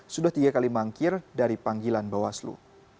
sudah tiga kali mangkir dari panggilan bawaslu